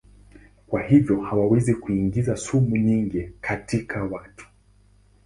Kwa hivyo hawawezi kuingiza sumu nyingi katika watu.